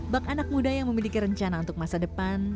bak anak muda yang memiliki rencana untuk masa depan